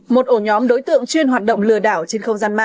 một ổ nhóm đối tượng chuyên hoạt động lừa đảo trên không gian mạng